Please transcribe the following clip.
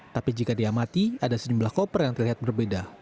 tapi jika diamati ada sejumlah koper yang terlihat berbeda